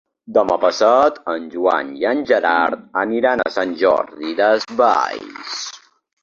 Demà passat en Joan i en Gerard aniran a Sant Jordi Desvalls.